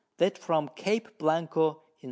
_ that from Cape Blanco in S.